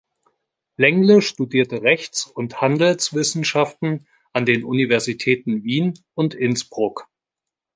Längle studierte Rechts- und Handelswissenschaften an den Universitäten Wien und Innsbruck.